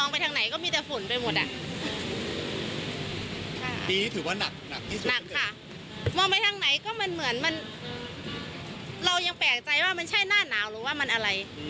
มันทำให้คนหายใจไม่ค่อยสะดวกค่ะ